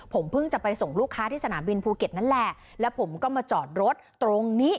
ผมเพิ่งจะไปส่งลูกค้าที่สนามบินภูเก็ตนั่นแหละแล้วผมก็มาจอดรถตรงนี้